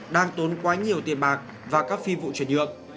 đang tốn quá nhiều tiền bạc và các phi vụ chuyển nhượng